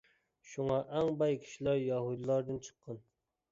شۇڭا ئەڭ باي كىشىلەر يەھۇدىيلاردىن چىققان.